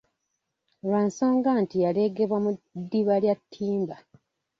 Lwa nsonga nti yaleegebwa mu ddiba lya ttimba.